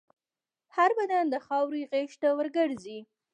هر بدن د خاورې غېږ ته ورګرځي.